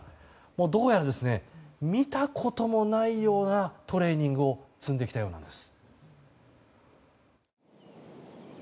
どうやら、見たこともないようなトレーニングを積んできたようなんです。